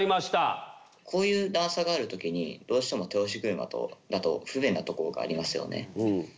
こういう段差がある時にどうしても手押し車だと不便なところがありますよね。